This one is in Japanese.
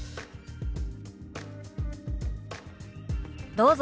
どうぞ。